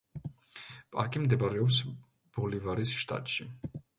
პარკი მდებარეობს ბოლივარის შტატში.